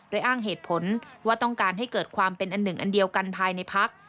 โดยอ้างเหตุผลว่าต้องการให้เกิดความเป็นอันหนึ่งอันเดียวกันภายในพัก